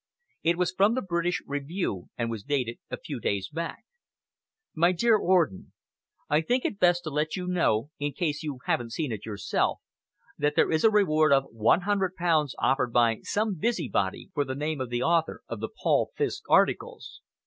It was from the British Review, and was dated a few days back: My dear Orden, I think it best to let you know, in case you haven't seen it yourself, that there is a reward of 100 pounds offered by some busybody for the name of the author of the 'Paul Fiske' articles.